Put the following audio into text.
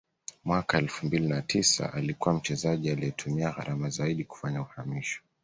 mwaka elfu mbili na tisa alikuwa mchezaji aliye tumia gharama zaidi kufanya uhamisho